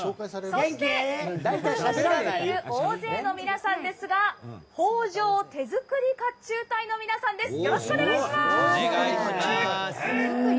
そして大勢の皆さんですが手作り甲冑隊の皆さんです。